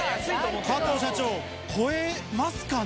加藤社長、超えますかね？